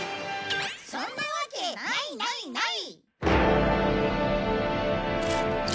そんなわけないないない！